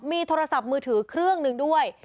มีโทรศัพท์มือถือเครื่องหนึ่งด้วย